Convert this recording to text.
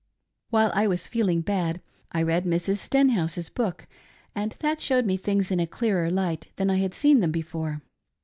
While I was feeling bad I read Mrs. Stenhouse's book, and that showed me things in a clearer light than I had seen them before.